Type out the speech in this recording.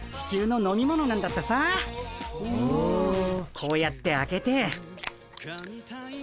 こうやって開けて。